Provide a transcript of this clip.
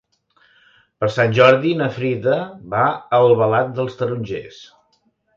Per Sant Jordi na Frida va a Albalat dels Tarongers.